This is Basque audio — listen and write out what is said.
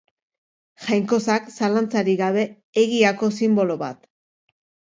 Jainkosak, zalantzarik gabe egiako sinbolo bat.